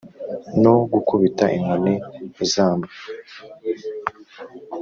no gukubita inkoni izamba